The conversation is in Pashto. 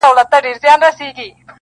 ځيني يې لوړ هنر بولي تل-